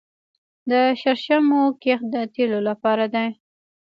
د شرشمو کښت د تیلو لپاره دی